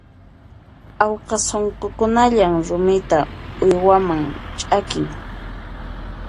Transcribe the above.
Awqa sunqukunalla rumita uywaman ch'aqin.